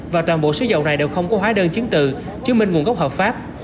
và toàn bộ số dầu này đều không có hóa đơn chứng từ chứng minh nguồn gốc hợp pháp